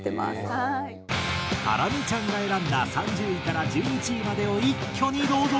ハラミちゃんが選んだ３０位から１１位までを一挙にどうぞ。